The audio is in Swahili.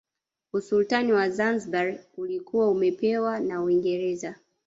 Usultani wa Zanzibar ulikuwa umepewa na Uingereza